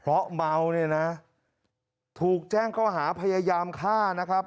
เพราะเมาเนี่ยนะถูกแจ้งเขาหาพยายามฆ่านะครับ